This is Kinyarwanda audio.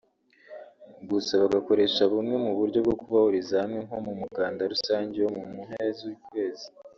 gusa bagakoresha bumwe mu buryo bwo kubahuriza hamwe nko mu muganda rusange wo mu mpera z’ukwezi